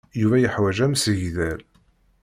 Yuba yeḥwaǧ amsegdal.